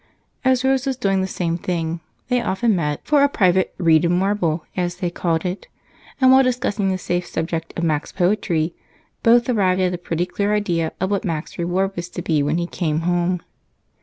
As Rose was doing the same thing, they often met for a private "read and warble," as they called it, and while discussing the safe subject of Mac's poetry, both arrived at a pretty clear idea of what Mac's reward was to be when he came home.